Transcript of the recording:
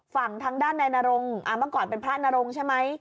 ฝั่งทางด้านนายนรงเมื่อก่อนเป็นพระนรงค์ใช่ไหม